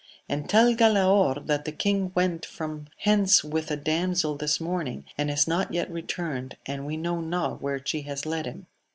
and tell Galaor that the king went from hence with a damsel this morning, and is not yet returned, and we know not where she has led him.